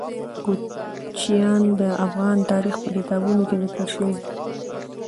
کوچیان د افغان تاریخ په کتابونو کې ذکر شوی دي.